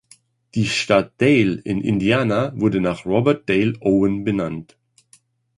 Die Stadt Dale in Indiana wurde nach Robert Dale Owen benannt.